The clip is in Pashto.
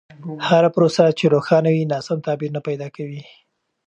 هره پروسه چې روښانه وي، ناسم تعبیر نه پیدا کوي.